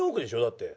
だって。